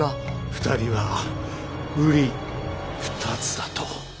２人はうり二つだと。